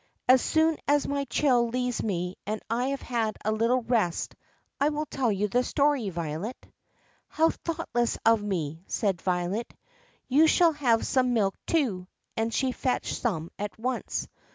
"As soon as my chill leaves me and I have had a little rest I will tell you the story, Violet." "How thoughtless of me!" said Violet. "You shall have some milk too," and she fetched some at once.